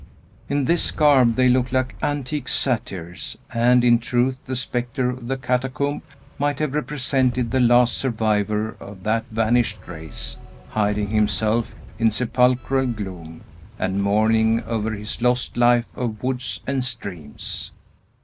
In this garb, they look like antique Satyrs; and, in truth, the Spectre of the Catacomb might have represented the last survivor of that vanished race, hiding himself in sepulchral gloom, and mourning over his lost life of woods and streams.